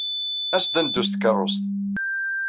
As-d ad neddu s tkeṛṛust.